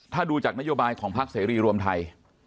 ถ้าดูจากนโยบายของพักเสรีรวมไทย